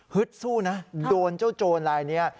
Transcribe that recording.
สู้นะโดนเจ้าโจรลายนี้